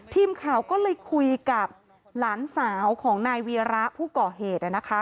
ทีมข่าวก็เลยคุยกับหลานสาวของนายวีระผู้ก่อเหตุ